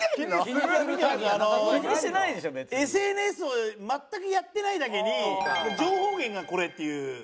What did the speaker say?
ＳＮＳを全くやってないだけに情報源がこれっていう。